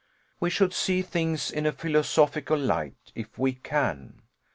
We should see things in a philosophical light, if we can.